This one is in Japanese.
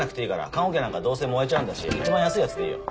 棺おけなんかどうせ燃えちゃうんだし一番安いやつでいいよ。